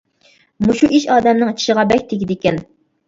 مۇشۇ ئىش ئادەمنىڭ چىشىغا بەك تېگىدىكەن.